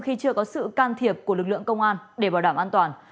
khi chưa có sự can thiệp của lực lượng công an để bảo đảm an toàn